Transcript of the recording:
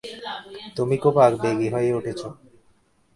তুমি খুব আবেগি হয়ে উঠেছো।